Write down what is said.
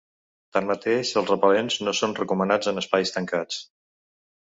Tanmateix, els repel·lents no són recomanats en espais tancats.